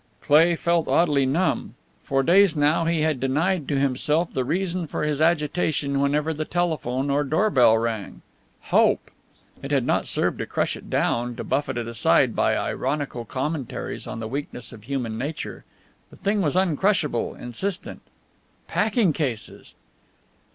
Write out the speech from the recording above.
Cleigh felt oddly numb. For days now he had denied to himself the reason for his agitation whenever the telephone or doorbell rang. Hope! It had not served to crush it down, to buffet it aside by ironical commentaries on the weakness of human nature; the thing was uncrushable, insistent. Packing cases!